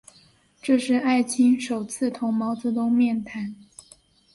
这是艾青首次同毛泽东面谈。